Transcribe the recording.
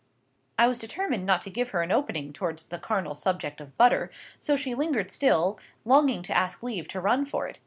"I was determined not to give her an opening towards the carnal subject of butter, so she lingered still, longing to ask leave to run for it.